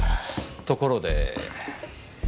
ところで。